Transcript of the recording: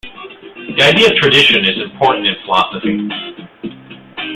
The idea of tradition is important in philosophy.